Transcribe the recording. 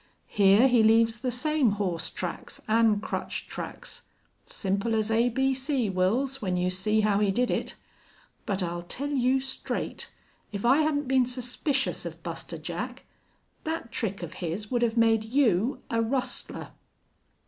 Here he leaves the same horse tracks an' crutch tracks.... Simple as a b c, Wils, when you see how he did it. But I'll tell you straight if I hadn't been suspicious of Buster Jack that trick of his would have made you a rustler!"